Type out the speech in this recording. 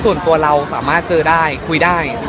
ส่วนตัวเราสามารถเจอได้คุยได้